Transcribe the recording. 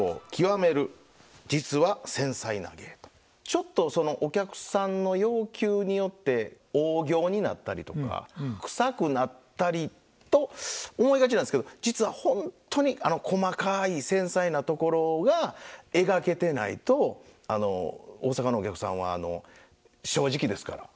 ちょっとお客さんの要求によって大仰になったりとか臭くなったりと思いがちなんですけど実はほんとに細かい繊細なところが描けてないと大阪のお客さんは正直ですから。